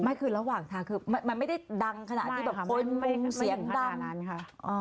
ไม่คือระหว่างทางคือมันไม่ได้ดังขนาดที่แบบคนมุ่งเสียงดำไม่ค่ะไม่ถึงขนาดนั้นค่ะ